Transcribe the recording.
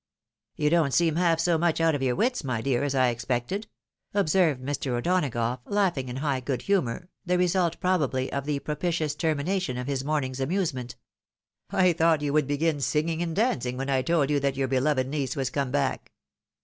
" You don't seem half so much out of your wits, my dear, as I expected," observed Mr. O'Donagough, laughing in high good humour — the result, probably, of the propitious termi nation of his morning's amusement. " I thought you would begin singing and dancing when I told you that your beloved niece was come back